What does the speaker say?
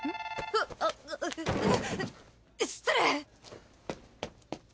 わっ失礼！